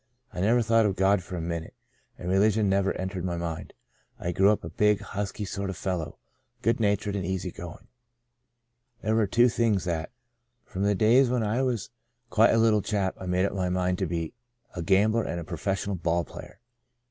I never thought of God for a minute, and re ligion never entered my mind. I grew up a big, husky sort of a fellow, good natured and easy going. There were two things that, from the days when I was quite a little chap, I made up my mind to be — a gambler and a professional ball player.